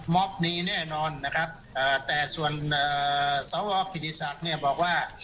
มอบนี้แน่นอนนะครับแต่ส่วนสวพิธีศักดิ์บอกว่า